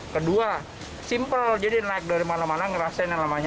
kedua simple jadi naik dari mana mana ngerasain yang namanya